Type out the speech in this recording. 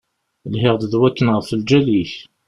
Lhiɣ-d d wakken ɣef lǧal-ik.